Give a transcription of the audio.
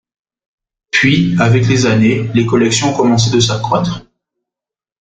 Puis avec les années, les collections ont commencé de s'accroître.